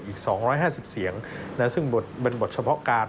อีก๒๕๐เสียงซึ่งเป็นบทเฉพาะการ